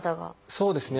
そうですね。